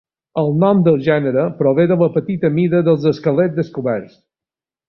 El nom del gènere prové de la petita mida dels esquelets descoberts.